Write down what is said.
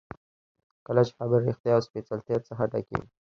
کله چې خبرې ریښتیا او سپېڅلتیا څخه ډکې وي.